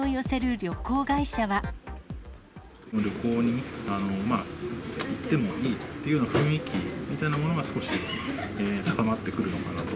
旅行に行ってもいいというような雰囲気みたいなものが少し高まってくるのかなと。